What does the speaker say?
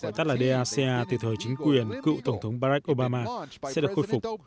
phán quyết của thẩm phán liên bang tại d a c a từ thời chính quyền cựu tổng thống barack obama sẽ được khôi phục